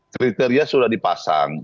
kriteria sudah dipasang